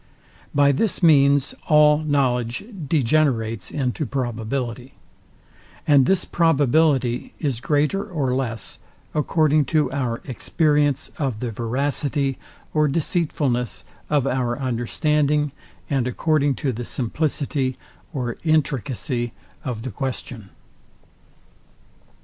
By this means all knowledge degenerates into probability; and this probability is greater or less, according to our experience of the veracity or deceitfulness of our understanding, and according to the simplicity or intricacy of the question.